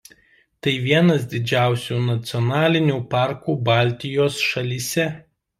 Tai vienas didžiausių nacionalinių parkų Baltijos šalyse.